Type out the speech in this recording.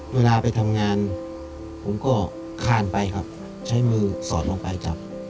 เวลาไปทำงานผมก็คานไปครับใช้มือสอดลงไปจับ